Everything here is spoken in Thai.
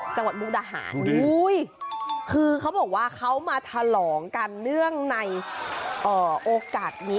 มุกดาหารคือเขาบอกว่าเขามาฉลองกันเนื่องในโอกาสนี้